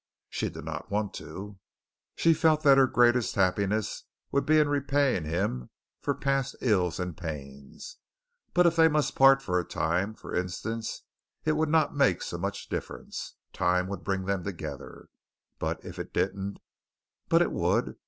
She did not want to. She felt that her greatest happiness would be in repaying him for past ills and pains; but if they must part for a time, for instance, it would not make so much difference. Time would bring them together. But if it didn't But it would.